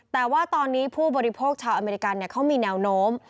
แต่ว่าตอนนี้ผู้บริโภคชาวอเมริกันเขามีแนวโน้ม